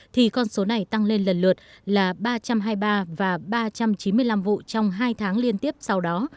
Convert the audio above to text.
thì con số này tăng lên lần lượt là ba trăm hai mươi ba và ba trăm chín mươi năm vụ trong hai tháng liên tiếp sau đó